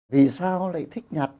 vì sao lại thích nhật